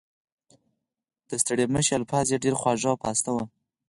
د ستړي مشي الفاظ یې ډېر خواږه او پاسته وو.